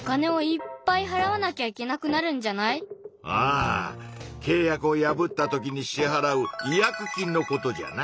ああけい約を破ったときに支はらう「違約金」のことじゃな。